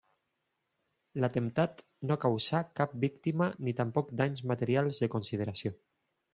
L'atemptat no causà cap víctima ni tampoc danys materials de consideració.